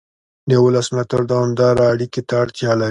د ولس ملاتړ دوامداره اړیکې ته اړتیا لري